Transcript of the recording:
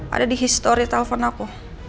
ada di histori telpon aku